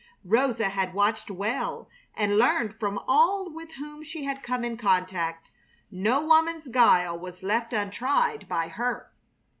Rosa had watched well and learned from all with whom she had come in contact. No woman's guile was left untried by her.